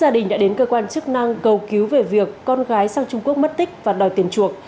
các đối tượng đã từng bị xử lý về hành vi tổ chức năng cầu cứu về việc con gái sang trung quốc mất tích và đòi tiền chuộc